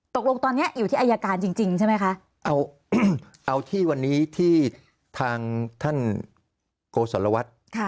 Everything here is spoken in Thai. ตกลงตอนนี้อยู่ที่อายการจริงใช่ไหมคะเอาที่วันนี้ที่ทางท่านโกศลวัฒน์